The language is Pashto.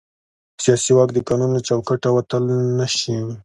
سیاسي واک د قانون له چوکاټه وتل نه شي